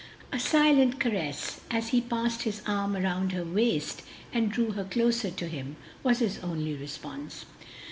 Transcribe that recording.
A silent caress as he passed his arm around her waist and drew her closer to him was his only response.